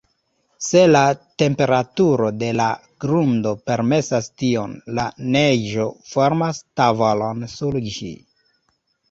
Se la temperaturo de la grundo permesas tion, la neĝo formas tavolon sur ĝi.